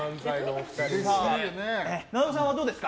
奈緒さんはどうですか？